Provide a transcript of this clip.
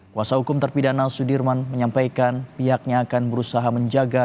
kuasa hukum terpidana sudirman menyampaikan pihaknya akan berusaha menjaga